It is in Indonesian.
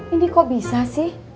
ini kok bisa sih